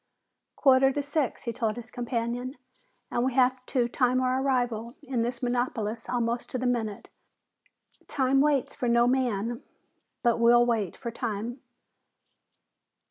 "Quarter to six," he told his companion. "And we have to time our arrival in this metropolis almost to the minute. Time waits for no man, but we'll wait for time."